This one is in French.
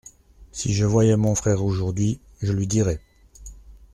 Si je voyais mon frère aujourd’hui, je lui dirais.